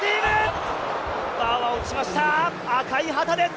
バーは落ちました、赤い旗です。